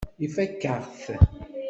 Ifakk-aɣ-t.